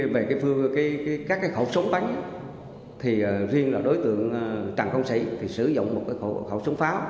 về các khẩu súng bắn riêng là đối tượng trần công sĩ sử dụng một khẩu súng pháo